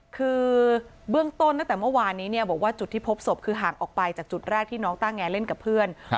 คือเบื้องต้นตั้งแต่เมื่อวานนี้เนี่ยบอกว่าจุดที่พบศพคือห่างออกไปจากจุดแรกที่น้องต้าแงเล่นกับเพื่อน